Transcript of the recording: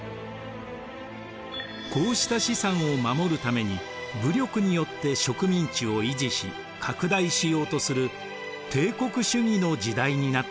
こうした資産を守るために武力によって植民地を維持し拡大しようとする帝国主義の時代になっていきます。